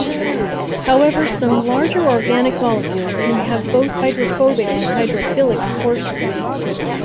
However, some larger organic molecules can have both hydrophobic and hydrophilic portions.